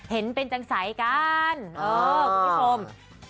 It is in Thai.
เห็นเป็นจังใสกันเออคุณผู้ชม